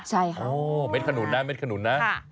ใช่ค่ะโอ้เม็ดขนุนนะเด็ดขนุนนะ